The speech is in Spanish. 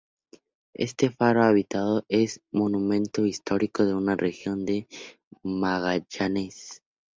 Este faro habitado es Monumento Histórico de la Región de Magallanes.